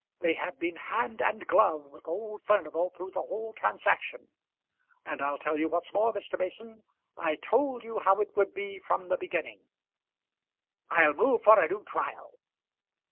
They have been hand and glove with old Furnival through the whole transaction; and I'll tell you what's more, Mr. Mason. I told you how it would be from the beginning." "I'll move for a new trial."